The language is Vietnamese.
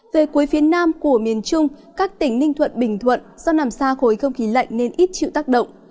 về cuối phía nam của miền trung các tỉnh ninh thuận bình thuận do nằm xa khối không khí lạnh nên ít chịu tác động